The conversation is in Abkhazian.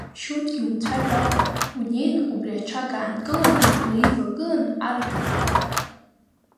Шьурҭгьы умцәажәакәа унеины, убри аҽага аанкыланы улаивагыланы арашәара уалага.